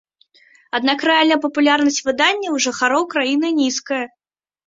Аднак рэальная папулярнасць выдання ў жыхароў краіны нізкая.